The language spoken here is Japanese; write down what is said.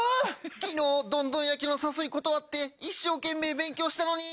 昨日どんど焼きの誘い断って一生懸命勉強したのに。